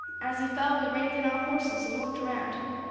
As he fell we reined in our horses, and looked round.